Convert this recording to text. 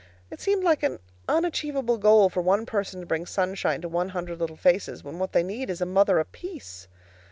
It seemed like an unachievable goal for one person to bring sunshine to one hundred little faces when what they need is a mother apiece.